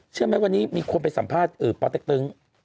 เชื่อไหมวันนี้มีคนไปสัมภาษณ์ปเต็กตึง